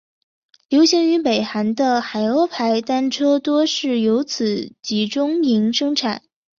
流行于北韩的海鸥牌单车多是由此集中营生产。